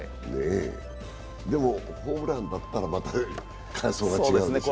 でも、ホームランだったらまた感想は違うでしょうね。